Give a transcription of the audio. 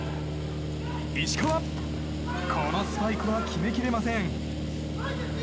石川のスパイクは決めきれません。